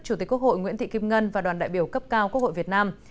chủ tịch quốc hội nguyễn thị kim ngân và đoàn đại biểu cấp cao quốc hội việt nam